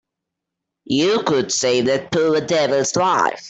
You could save that poor devil's life.